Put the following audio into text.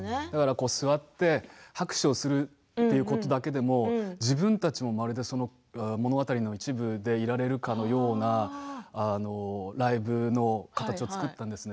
座って拍手をするということだけでも自分たちもまるで物語の一部でいられるかのようなライブの形を作ったんですね。